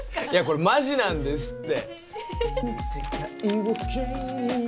いやこれマジなんですって・へえ